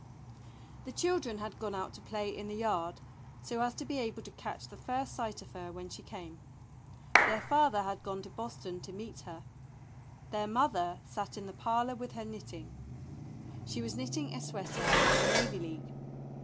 The children had gone out to play in the yard, so as to be able to catch the first sight of her when she came. Their father had gone to Boston to meet her. Their mother sat in the parlor with her knitting. She was knitting a sweater for the Navy League.